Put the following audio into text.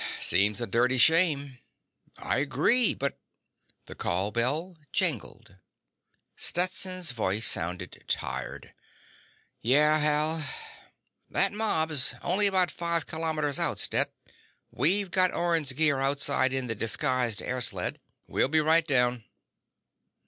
"Seems a dirty shame." "I agree, but—" The call bell jangled. Stetson's voice sounded tired: "Yeah, Hal?" "That mob's only about five kilometers out, Stet. We've got Orne's gear outside in the disguised air sled." "We'll be right down."